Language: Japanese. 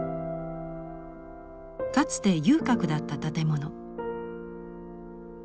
かつて遊郭だった建物。